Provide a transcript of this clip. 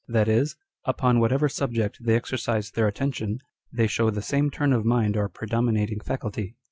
That is, upon whatever subject they exercise their attention, they show the same turn of mind or predominating faculty.